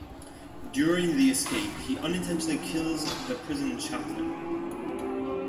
During the escape he unintentionally kills the prison chaplain.